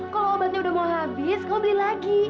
kalau obatnya udah mau habis kau beli lagi